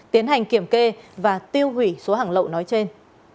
tiến hành kiểm kê và tiêu hủy số hàng lậu nói trên